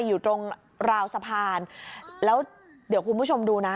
อยู่ตรงราวสะพานแล้วเดี๋ยวคุณผู้ชมดูนะ